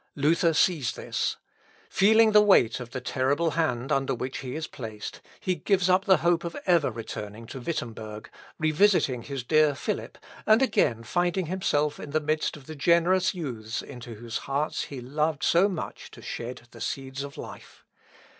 Luther sees this. Feeling the weight of the terrible hand under which he is placed, he gives up the hope of ever returning to Wittemberg, revisiting his dear Philip, and again finding himself in the midst of the generous youths into whose hearts he loved so much to shed the seeds of life.